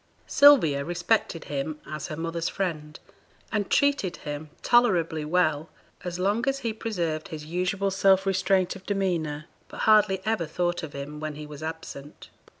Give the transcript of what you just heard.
Sylvia respected him as her mother's friend, and treated him tolerably well as long as he preserved his usual self restraint of demeanour, but hardly ever thought of him when he was absent.